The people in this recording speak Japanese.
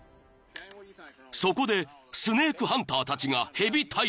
［そこでスネークハンターたちが蛇退治に］